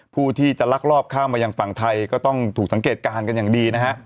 ผู้ที่จะลักลอบข้ามมายังฝั่งไทยก็ต้องถูกสังเกตการณ์กันอย่างดีนะฮะ